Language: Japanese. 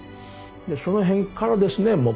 でその辺からですね